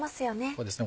そうですね